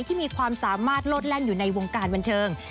ที่มีความสามารถโลดแล่นอยู่ในวงการบันเทิง